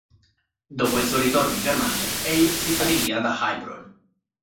Dopo il suo ritorno in Germania, egli si stabilì ad Heilbronn.